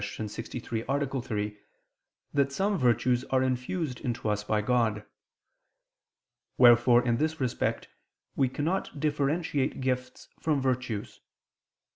63, A. 3) that some virtues are infused into us by God. Wherefore in this respect we cannot differentiate gifts from virtues.